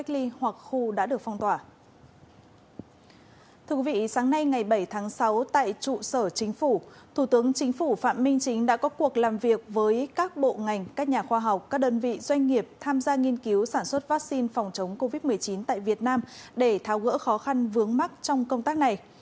thủ tướng chính phủ phạm minh chính đã có cuộc làm việc với các bộ ngành các nhà khoa học các đơn vị doanh nghiệp tham gia nghiên cứu sản xuất vaccine phòng chống covid một mươi chín tại việt nam để tháo gỡ khó khăn vướng mắt trong công tác này